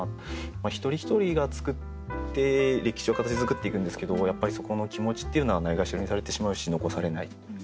一人一人が作って歴史を形づくっていくんですけどやっぱりそこの気持ちっていうのはないがしろにされてしまうし残されない。